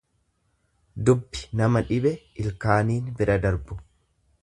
Dubbi nama dhibe ilkaaniin bira darbu.